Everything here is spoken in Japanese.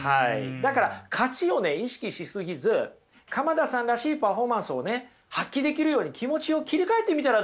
だから勝ちをね意識し過ぎず鎌田さんらしいパフォーマンスをね発揮できるように気持ちを切り替えてみたらどうでしょう？